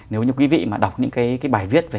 nếu như quý vị mà đọc những cái bài viết về thành tựu